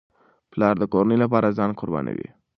پلار د کورنۍ لپاره ځان قربانوي.